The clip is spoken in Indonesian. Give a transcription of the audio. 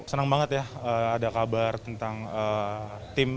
senang banget ya ada kabar tentang tim